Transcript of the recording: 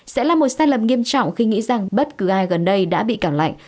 sẽ là một sai lầm nghiêm trọng khi nghĩ rằng bất cứ ai gần đây đã bị cảm lạnh